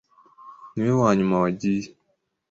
Niwe wanyuma wagiye.